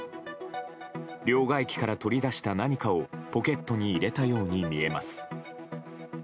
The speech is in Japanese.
両替機から取り出した何かをポケットに入れたように見えます。